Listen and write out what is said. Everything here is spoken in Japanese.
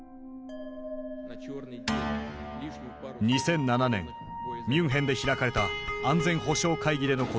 ２００７年ミュンヘンで開かれた安全保障会議でのことだった。